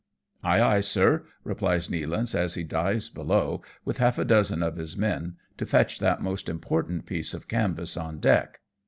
" Aye ! aye ! sir," replies Nealance as he dives below, with half a dozen of his men, to fetch that most impor tant piece of canvas on deck.